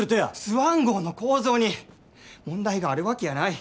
スワン号の構造に問題があるわけやない。